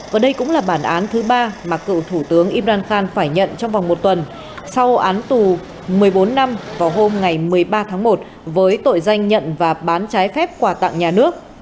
và đây cũng là bản án thứ ba mà cựu thủ tướng imran khan phải nhận trong vòng một tuần sau án tù một mươi bốn năm vào hôm ngày một mươi ba tháng một với tội danh nhận và bán trái phép quà tặng nhà nước